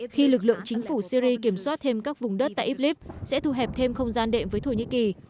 khi lực lượng chính phủ syri kiểm soát thêm các vùng đất tại iblis sẽ thu hẹp thêm không gian đệm với thổ nhĩ kỳ